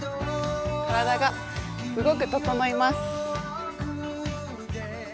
体がすごく整います。